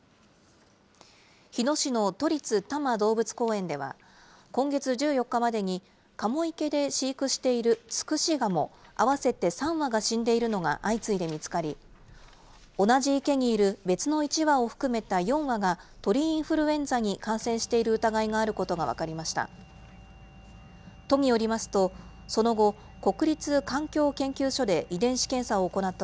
日野市の都立多摩動物公園では、今月１４日までにカモ池で飼育しているツクシガモ合わせて３羽が死んでいるのが相次いで見つかり、同じ池にいる別の１羽を含めた４羽が鳥インフルエンザに感染している疑いがあることが分かりました。